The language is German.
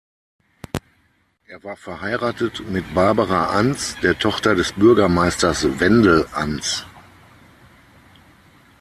Er war verheiratet mit Barbara Ans, der Tochter des Bürgermeisters Wendel Ans.